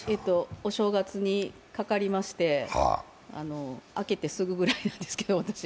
お正月にかかりまして、明けてすぐぐらいなんですけど。